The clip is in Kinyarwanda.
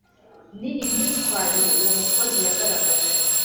ni myitwarire uwo umukozi yagaragaje